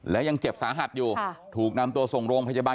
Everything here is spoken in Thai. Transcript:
และยังเจ็บสาหัสอยู่ถูกนำตัวส่งโรงพยาบาล